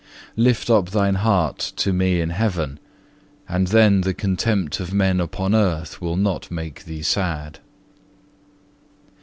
Lift up thine heart to Me in heaven, and then the contempt of men upon earth will not make thee sad."